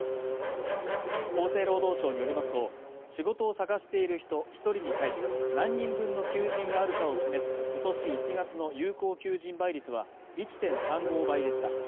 厚生労働省によりますと、仕事を探している人１人に対し何人分の求人があるかを示す今年１月の有効求人倍率は１．３５倍でした。